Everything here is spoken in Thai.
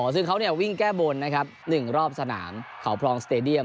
ซึ่งเขาวิ่งแก้บนนะครับ๑รอบสนามเขาพรองสเตดียม